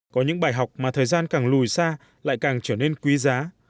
có những bài học mà thời gian càng lùi xa lại càng trở nên quý giá